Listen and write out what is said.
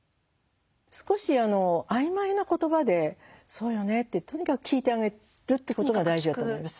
少し曖昧な言葉で「そうよね」ってとにかく聞いてあげるっていうことが大事だと思います。